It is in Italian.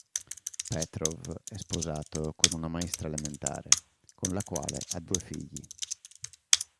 Petrov è sposato con una maestra elementare, con la quale ha due figli.